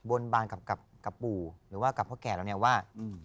บนบานกับปู่หรือว่ากับพ่อแก่เราเนี่ยว่า